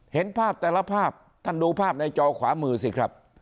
เห็นภาพแต่ละภาพท่านดูภาพในจอขวามือสิครับ